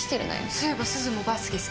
そういえばすずもバスケ好きだよね？